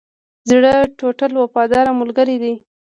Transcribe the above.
زړه ټولو وفادار ملګری دی.